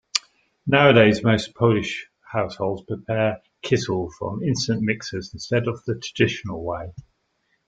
Nowadays most Polish households prepare kissel from instant mixes instead of the traditional way.